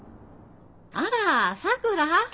あらさくら。